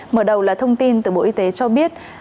mở đầu là thông tin từ bộ y tế cho biết